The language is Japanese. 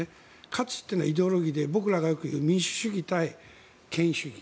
価値っていうのはイデオロギーで僕らがよく言う民主主義対権威主義。